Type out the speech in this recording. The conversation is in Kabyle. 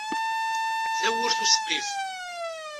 Tawwurt useqqif.